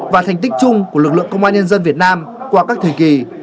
và thành tích chung của lực lượng công an nhân dân việt nam qua các thời kỳ